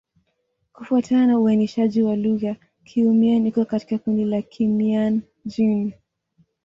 Kufuatana na uainishaji wa lugha, Kiiu-Mien iko katika kundi la Kimian-Jin.